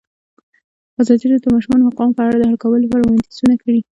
ازادي راډیو د د ماشومانو حقونه په اړه د حل کولو لپاره وړاندیزونه کړي.